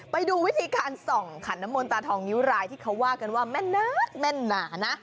ไปดูวิธีการส่องขันน้ำมนตาทองนิ้วรายที่เขาว่ากันว่าแม่นนักแม่นหนานะ